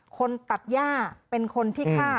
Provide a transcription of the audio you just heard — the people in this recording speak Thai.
คนตัดย่าเป็นคนที่ฆ่า